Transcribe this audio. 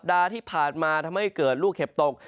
ที่ฉุดสัปดาห์ที่ผ่านมาทำให้เกิดลูกเห็บตก